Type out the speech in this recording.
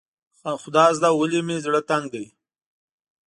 خدازده ولې مې زړه تنګ دی.